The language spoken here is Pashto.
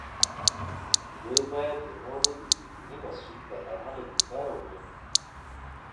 دوی باید د نورو د بې دینۍ مسوول بد عمله دینداران وګڼي.